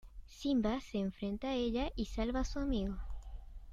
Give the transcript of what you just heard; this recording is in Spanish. Simba se enfrenta a ella y salva a su amigo.